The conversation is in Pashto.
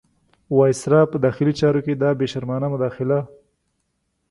وایسرا په داخلي چارو کې دا بې شرمانه مداخله.